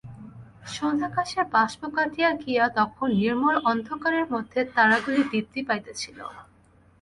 সন্ধ্যাকাশের বাষ্প কাটিয়া গিয়া তখন নির্মল অন্ধকারের মধ্যে তারাগুলি দীপ্তি পাইতেছিল।